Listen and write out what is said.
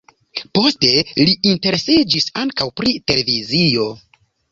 Poste li interesiĝis ankaŭ pri televizio.